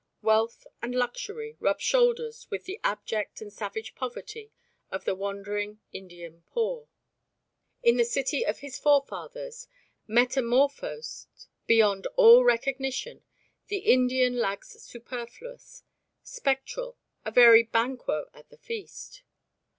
Wealth and luxury rub shoulders with the abject and savage poverty of the wandering Indian poor. In the city of his forefathers, metamorphosed beyond all recognition, the Indian lags superfluous spectral, a very Banquo at the feast.